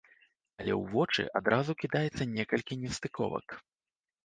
Але ў вочы адразу кідаецца некалькі нестыковак.